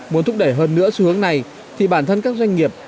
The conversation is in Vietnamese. muốn thúc đẩy hơn nữa xu hướng này thì bản thân các doanh nghiệp